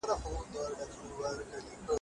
موږ له کلونو راهيسي د هوساينې په تمه يو.